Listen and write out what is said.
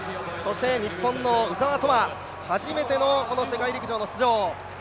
日本の鵜澤飛羽、初めての世界陸上の出場。